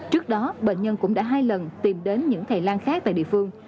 sau đó bệnh nhân cũng đã hai lần tìm đến những thầy lan khác tại địa phương